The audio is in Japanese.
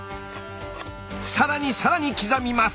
更に更に刻みます！